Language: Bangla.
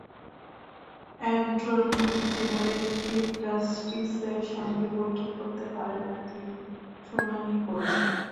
অ্যাটর্নি জেনারেল চিফ জাস্টিসের সঙ্গে বৈঠক করতে পারেন না, তিনি শুনানি করবেন।